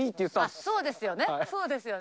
そうですよね。